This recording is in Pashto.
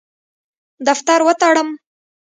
دفتر وتړم.